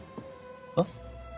あっ？